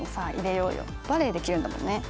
バレエできるんだもんね。